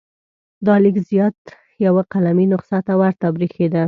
دا لیک زیات یوه قلمي نسخه ته ورته بریښېده.